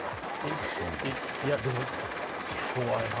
でも怖い話。